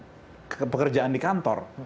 untuk kegiatan pekerjaan di kantor